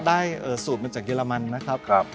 ได้สูตรมาจากเยอรมันนะครับ